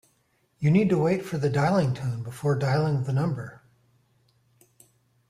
You need to wait for the dialling tone before dialling the number